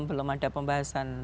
belum ada pembahasan